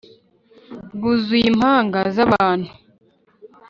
rwuzuye impanga z' abantu